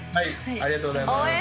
ありがとうございます。